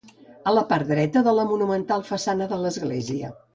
A la part dreta de la monumental façana de l'església